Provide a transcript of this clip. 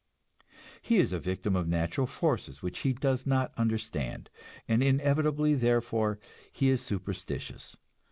He is a victim of natural forces which he does not understand, and inevitably therefore he is superstitious.